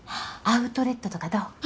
アウトレットとかどう？